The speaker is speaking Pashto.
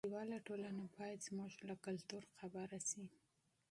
نړیواله ټولنه باید زموږ له کلتور خبره شي.